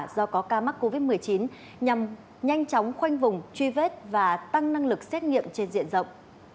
do có ca mắc covid một mươi chín nhằm nhanh chóng khoanh vùng truy vết và tăng năng lực xét nghiệm trên diện rộng